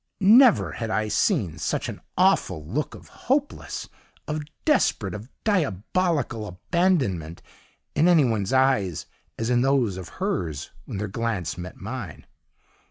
never had I seen such an awful look of hopeless, of desperate, of diabolical abandonment in any one's eyes as in those of hers when their glance met mine.